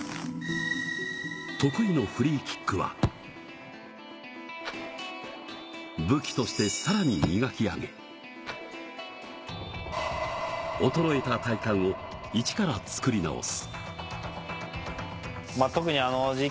得意のフリーキックは、武器として、さらに磨き上げ、衰えた体幹をイチから作り直す。